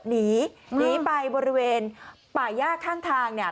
หนีหนีไปบริเวณป่าย่าข้างทางเนี่ย